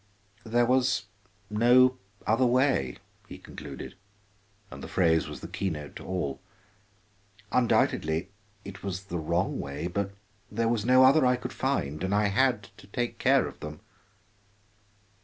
"There was no other way," he concluded, and the phrase was the key note to all. "Undoubtedly it was the wrong way, but there was no other I could find, and I had to take care of them."